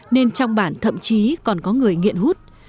nên trong bản thậm chí còn có người nghiện hút